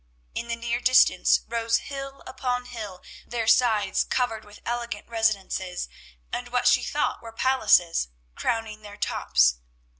In the near distance rose hill upon hill, their sides covered with elegant residences, and what she thought were palaces, crowning their tops.